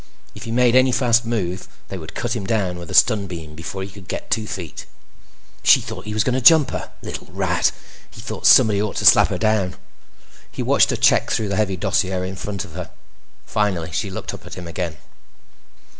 If he made any fast move, they would cut him down with a stun beam before he could get two feet. She had thought he was going to jump her. Little rat! he thought, somebody ought to slap her down! He watched her check through the heavy dossier in front of her. Finally, she looked up at him again.